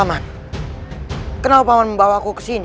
paman kenapa paman membawaku ke sini